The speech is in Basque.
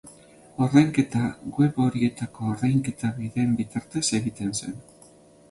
Ordainketa web horietako ordainketa bideen bitartez egiten zen.